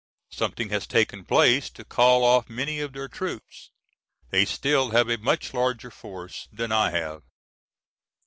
Something has taken place to call off many of their troops. They still have a much larger force than I have.